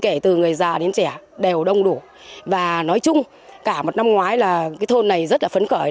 kể từ người già đến trẻ đều đông đủ và nói chung cả một năm ngoái là cái thôn này rất là phấn khởi